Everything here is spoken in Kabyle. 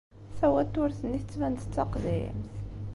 Tawaturt-nni tettban-d d taqdimt?